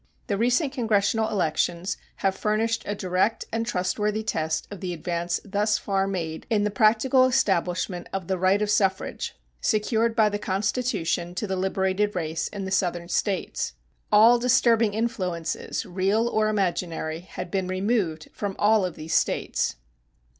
The recent Congressional elections have furnished a direct and trustworthy test of the advance thus far made in the practical establishment of the right of suffrage secured by the Constitution to the liberated race in the Southern States. All disturbing influences, real or imaginary, had been removed from all of these States.